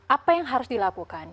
apa yang harus dilakukan